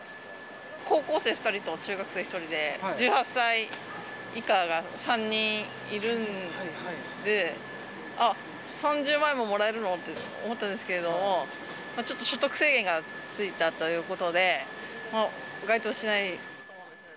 高校生２人と中学生１人で、１８歳以下が３人いるんで、あ、３０万円ももらえるの？って思ったんですけれども、ちょっと所得制限がついたということで、該当しない。